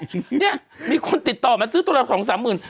เนี่ยมีคนติดต่อมาซื้อตัวละสองสามหมื่น